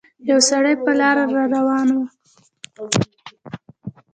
يو سړی په لاره روان وو